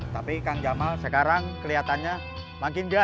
tapi kang jamal sekarang kelihatannya makin dia